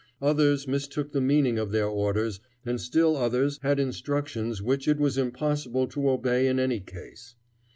Others mistook the meaning of their orders, and still others had instructions which it was impossible to obey in any case.